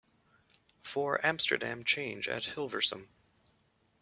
For Amsterdam change at Hilversum.